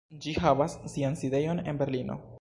Ĝi havas sian sidejon en Berlino.